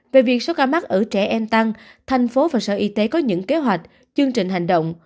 về việc số ca mắc ở trẻ em tăng thành phố và sở y tế có những kế hoạch chương trình hành động